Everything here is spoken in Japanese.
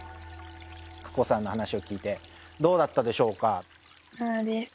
ＫＵＫＯさんの話を聞いてどうだったでしょうか？